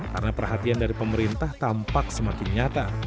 karena perhatian dari pemerintah tampak semakin nyata